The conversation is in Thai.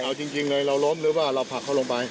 เอาจริงเลยเราล้มหรือว่าเราผลักเขาลงไป